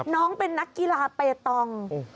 น้องเป็นนักกีฬาเปตอง